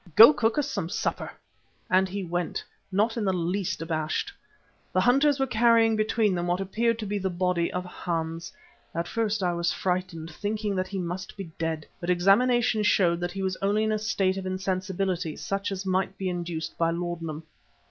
"Go, cook us some supper," and he went, not in the least abashed. The hunters were carrying between them what appeared to be the body of Hans. At first I was frightened, thinking that he must be dead, but examination showed that he was only in a state of insensibility such as might be induced by laudanum.